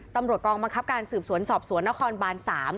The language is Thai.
ตำรวจกองบังคับการสืบสวนสอบสวนนครบาน๓